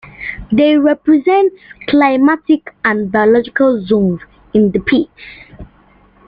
They represent climatic and biological zones in the peat.